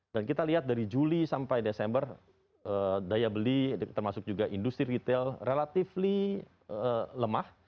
dan kita lihat dari juli sampai desember daya beli termasuk juga industri retail relatifly lemah